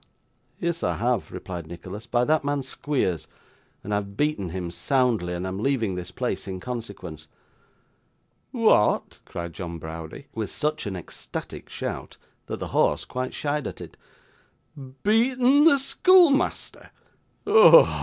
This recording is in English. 'Yes, I have,' replied Nicholas, 'by that man Squeers, and I have beaten him soundly, and am leaving this place in consequence.' 'What!' cried John Browdie, with such an ecstatic shout, that the horse quite shied at it. 'Beatten the schoolmeasther! Ho! ho!